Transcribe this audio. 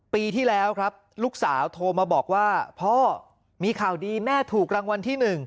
ปีที่แล้วครับลูกสาวโทรมาบอกว่าพ่อมีข่าวดีแม่ถูกรางวัลที่๑